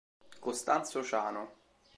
Costanzo Ciano.